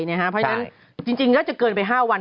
เพราะฉะนั้นจริงน่าจะเกินไป๕วัน